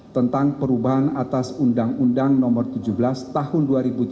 tentang perubahan atas undang undang nomor tujuh belas tahun dua ribu tujuh belas